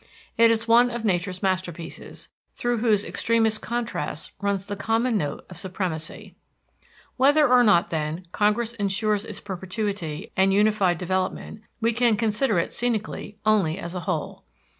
It is one of Nature's masterpieces, through whose extremest contrasts runs the common note of supremacy. Whether or not, then, Congress insures its perpetuity and unified development, we can consider it scenically only as a whole.